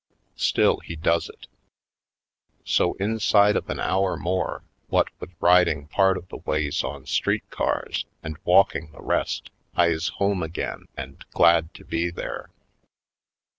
Still, he does it. So, inside of an hour more, what with rid ing part of the ways on street cars and walking the rest, I is home again and glad to be there.